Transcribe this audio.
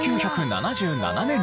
１９７７年